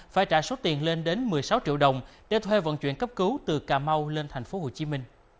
phải trả số tiền lên đến một mươi sáu triệu đồng để thuê vận chuyển cấp cứu từ cà mau lên tp hcm